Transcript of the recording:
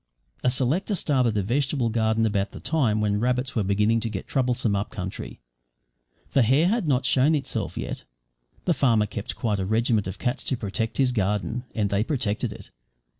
A selector started a vegetable garden about the time when rabbits were beginning to get troublesome up country. The hare had not shown itself yet. The farmer kept quite a regiment of cats to protect his garden and they protected it.